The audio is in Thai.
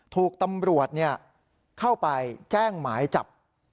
ถูกตำรวจเข้าไปแจ้งหมายจับ